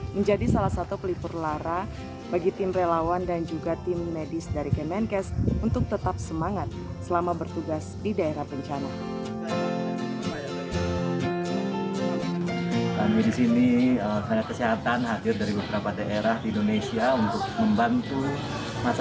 menjadi salah satu pelipur lara bagi tim relawan dan juga tim medis dari kemenkes untuk tetap semangat selama bertugas di daerah bencana